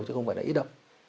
chứ không phải là ít đâu